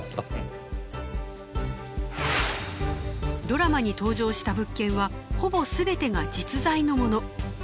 ドラマに登場した物件はほぼ全てが実在のもの。